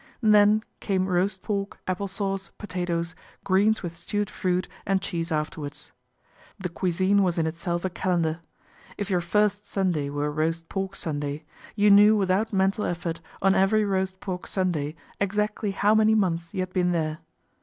Then came roast pork, apple sauce, potatoes, greens with stewed fruit and cheese afterwards. The cosine was in itself a calendar. If your first Sunday were a roast pork Sunday, you knew without mental effort on every roast pork Sunday exactly how many months you had been there.